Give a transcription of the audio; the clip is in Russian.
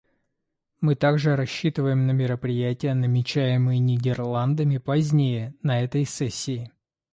Мы также рассчитываем на мероприятия, намечаемые Нидерландами позднее на этой сессии.